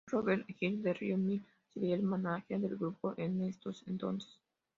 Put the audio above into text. Roberto Giralt de Radio Mil, sería el mánager del grupo en ese entonces.